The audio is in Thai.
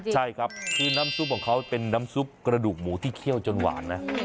ใช่ครับคือน้ำซุปของเขาเป็นน้ำซุปกระดูกหมูที่เคี่ยวจนหวานนะ